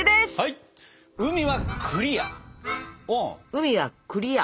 海はクリア。